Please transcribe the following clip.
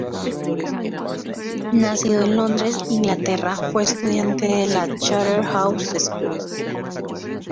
Nacido en Londres, Inglaterra, fue estudiante de la Charterhouse School.